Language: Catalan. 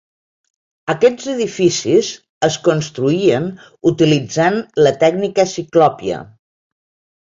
Aquests edificis es construïen utilitzant la tècnica ciclòpia.